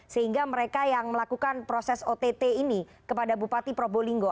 sehingga mereka yang melakukan proses ott ini kepada bupati probolinggo